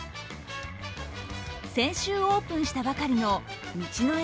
先週オープンしたばかりの道の駅